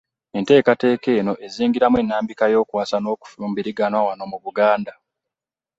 Enteekateeka eno ezingiramu ennambika y'okuwasa n'okufumbiriganwa wano mu Buganda.